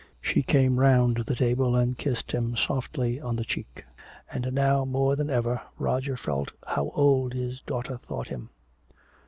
She came around the table and kissed him softly on the cheek. And now more than ever Roger felt how old his daughter thought him.